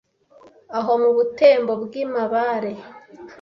Aho mu Butembo bw'i Mabare